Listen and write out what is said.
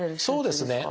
そうですね。